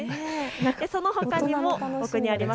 そのほかにもこちらにあります